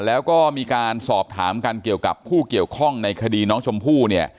แล้วก็มีการสอบถามกันเกี่ยวกับผู้เกี่ยวข้องในคดีน้องชมพู่เนี่ย